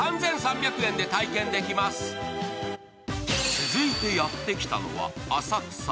続いてやってきたのは浅草。